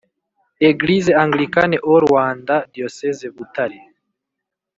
Eglise Anglicane au Rwanda Diocese Butare